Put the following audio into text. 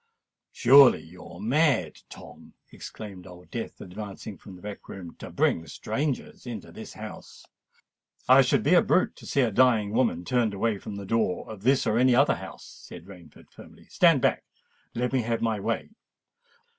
"Surely you're mad, Tom," exclaimed Old Death, advancing from the back room, "to bring strangers into this house." "I should be a brute to see a dying woman turned away from the door of this or any other house," said Rainford firmly. "Stand back, and let me have my way.